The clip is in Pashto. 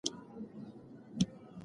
خیبر باید تل خلاص وي.